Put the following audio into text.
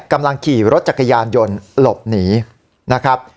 กำลังขี่รถจักรยานยนต์หลบหนีนะครับ